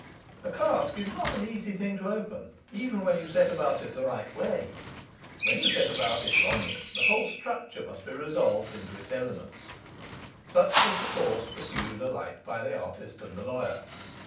A cask is not an easy thing to open, even when you set about it in the right way; when you set about it wrongly, the whole structure must be resolved into its elements. Such was the course pursued alike by the artist and the lawyer.